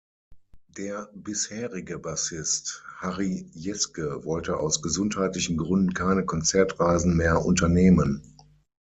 Der bisherige Bassist, Harry Jeske, wollte aus gesundheitlichen Gründen keine Konzertreisen mehr unternehmen.